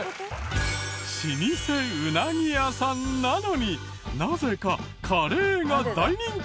老舗ウナギ屋さんなのになぜかカレーが大人気！